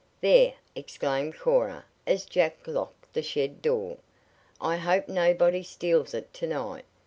"There!" exclaimed Cora as Jack locked the shed door. "I hope nobody steals it to night.